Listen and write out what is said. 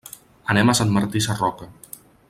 Anem a Sant Martí Sarroca.